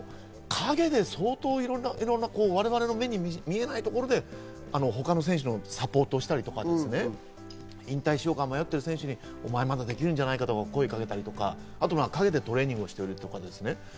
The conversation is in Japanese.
他の野球の方に聞いても、陰で相当、我々の見えないところで他の選手のサポートをしたり、引退しようか迷ってる選手にお前まだできるんじゃないかと声をかけたり、陰でトレーニングをしているとか。